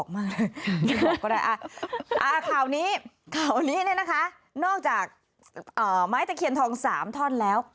อ๋อไม้เตรียมทองสามท่อนแล้ว